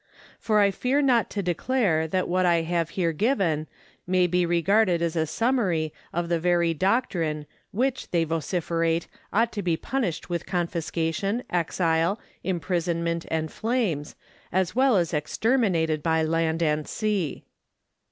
For I fear not to declare that what I have here given may be regarded as a summary of the very doctrine which, they vociferate, ought to be punished with confiscation, exile, imprisonment, and flames, as well as exterminated by land and sea.